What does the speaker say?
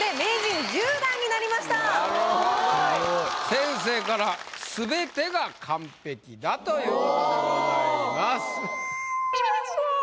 先生から「すべてが完璧！」だということでございます。